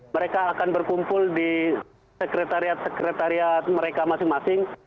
mereka akan berkumpul di sekretariat sekretariat mereka masing masing